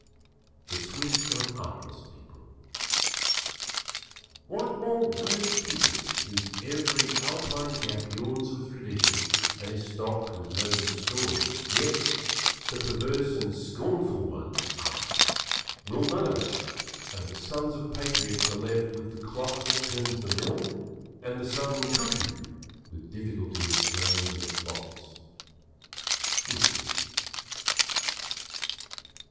The Swiss are an Artless people. "What more worthy people! Whose every Alpine gap yawns with tradition, and is stocked with noble story, yet, the perverse and scornful one (Art) will none of it, and the sons of patriots are left with the clock that turns the mill, and the sudden cuckoo, with difficulty restrained in its box." _Whistler.